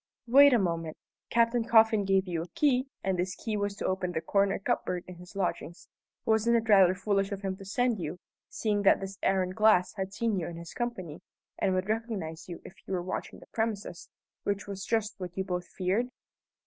"Wait a moment. Captain Coffin gave you a key, and this key was to open the corner cupboard in his lodgings. Wasn't it rather foolish of him to send you, seeing that this Aaron Glass had seen you in his company, and would recognize you if he were watching the premises, which was just what you both feared?"